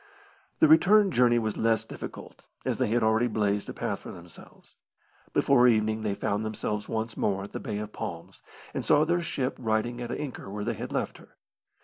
The return journey was less difficult, as they had already blazed a path for themselves. Before evening they found themselves once more at the Bay of Palms, and saw their ship riding at anchor where they had left her.